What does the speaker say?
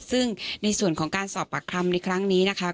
ซึ่งในส่วนของการสอบปากคำในครั้งนี้นะคะ